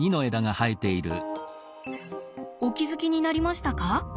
お気付きになりましたか？